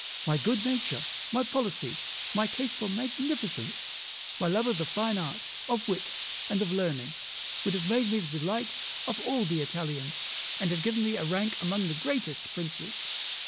My good nature, my policy, my taste for magnificence, my love of the fine arts, of wit, and of learning, would have made me the delight of all the Italians, and have given me a rank among the greatest princes.